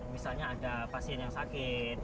misalnya ada pasien yang sakit